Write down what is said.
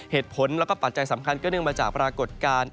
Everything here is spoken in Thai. เหตุผลแล้วก็ปัจจัยสำคัญก็เนื่องมาจากปรากฏการณ์